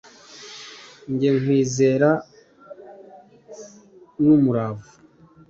njye nkwizera n’umurava